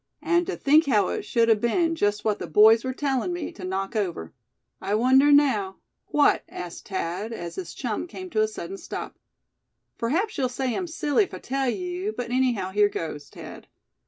And to think how it should a been just what the boys were telling me to knock over. I wonder now " "What?" asked Thad, as his chum came to a sudden stop. "P'raps you'll say I'm silly if I tell you; but anyhow, here goes, Thad.